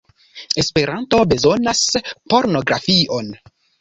Esperanto bezonas pornografion